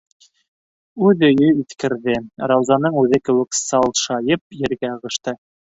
Үҙ өйө иҫкерҙе, Раузаның үҙе кеүек салшайып ергә ығышты.